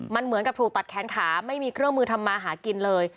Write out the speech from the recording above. มันเหมือนกับถูกตัดแขนขาไม่มีเครื่องมือทำมาหากินเลย